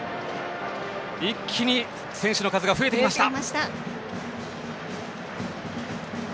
一気に選手の数が増えてきました。